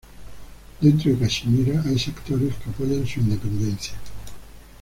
Dentro de Cachemira, hay sectores que apoyan su independencia.